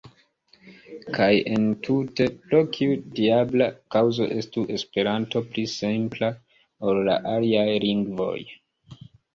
Kaj entute: Pro kiu diabla kaŭzo estu Esperanto pli simpla ol la aliaj lingvoj?